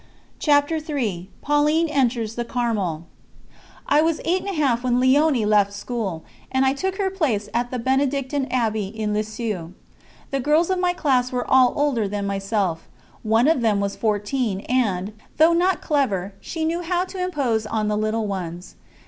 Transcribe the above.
______________________________ CHAPTER III PAULINE ENTERS THE CARMEL I was eight and a half when Léonie left school, and I took her place at the Benedictine Abbey in Lisieux. The girls of my class were all older than myself; one of them was fourteen, and, though not clever, she knew how to impose on the little ones.